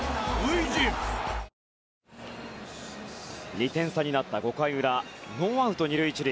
２点差になった５回裏ノーアウト２塁１塁。